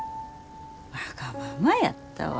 わがままやったわ。